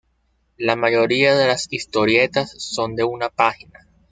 La mayoría de las historietas son de una página.